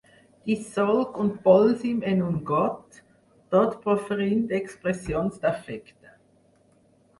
Dissolc un polsim en un got, tot proferint expressions d'afecte.